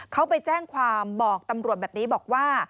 เขาไปแจ้งความบอกตำรวจแบบนี้บอกว่า